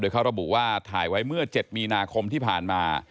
เขาระบุว่าถ่ายไว้เมื่อ๗มีนาคมที่ผ่านมา